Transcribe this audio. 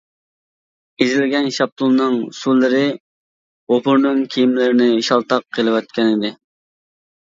ئېزىلگەن شاپتۇلنىڭ سۇلىرى غوپۇرنىڭ كىيىملىرىنى شالتاق قىلىۋەتكەنىدى.